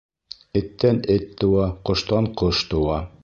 Эттән эт тыуа, ҡоштан ҡош тыуа.